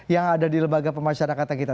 yang ada di lembaga pemasyarakatan kita